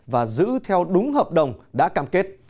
và giữ theo đúng hợp đồng đã cam kết